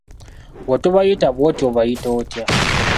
Bw'otobayita bw'otyo obayita otya?